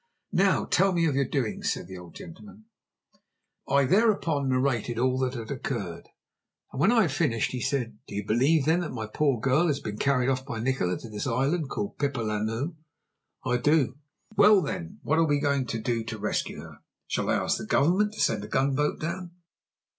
"Now tell me of your doings," said the old gentleman. I thereupon narrated all that had occurred, and when I had finished, he said: "Do you believe then that my poor girl has been carried off by Nikola to this island called Pipa Lannu?" "I do." "Well, then, what are we to do to rescue her? Shall, I ask the Government to send a gunboat down?"